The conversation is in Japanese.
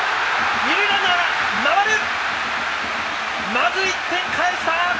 まず１点返した！